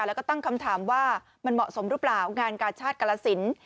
แล้วก็ตั้งคำถามว่ามันเหมาะสมหรือเปล่างานกาชาติกรสิน